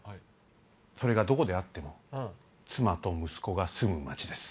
それがどこであっても妻と息子が住む街です。